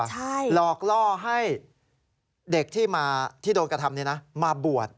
หลอกล่อให้เด็กที่โดนกระทำมาบวช